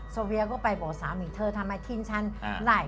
โซเฟียก็ไปบอกสามีทามายนชั้นไร